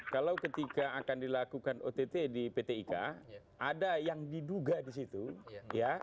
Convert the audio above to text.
kalau ketika akan dilakukan ott di pt ika ada yang diduga di situ ya